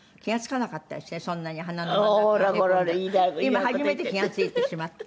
今初めて気が付いてしまった。